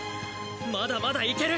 まだまだいける！